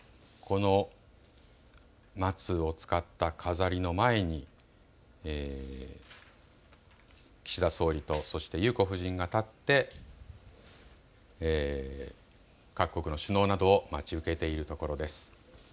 松を使った飾りの前に岸田総理とそして裕子夫人が立って各国の首脳などを待ち受けているところです。